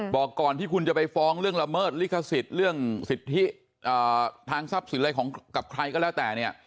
บอกก่อนที่คุณจะไปฟ้องเรื่องละเมิดลิขสิทธิ์เรื่องสิทธิทางทรัพย์สินอะไรของกับใครก็แล้วแต่เนี่ย